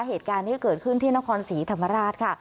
เหตุการณ์นี้เกิดขึ้นที่นครศรีธรรมราชค่ะ